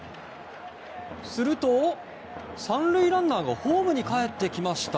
すると３塁ランナーがホームにかえってきました。